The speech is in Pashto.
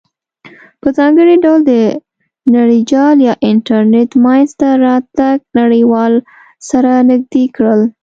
په ځانګړې ډول د نړیجال یا انټرنیټ مینځ ته راتګ نړیوال سره نزدې کړل.